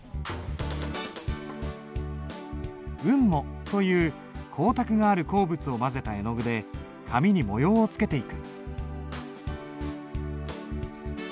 雲母という光沢がある鉱物を混ぜた絵の具で紙に模様をつけていく。